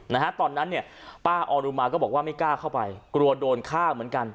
นะฮะตอนนั้นเนี่ยป้าออรุมาก็บอกว่าไม่กล้าเข้าไปกลัวโดนฆ่าเหมือนกัน